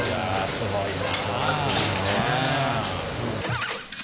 すごいな。